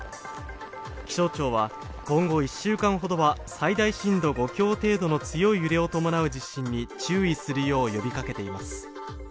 気象庁は今後１週間ほどは最大震度５強程度の強い揺れを伴う地震に注意するよう呼びかけています